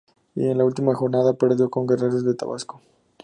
Y en la última jornada perdió con Guerreros de Tabasco.